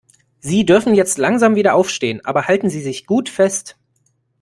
Sie dürfen jetzt langsam wieder aufstehen, aber halten Sie sich gut fest.